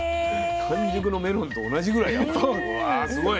完熟のメロンと同じぐらい甘い。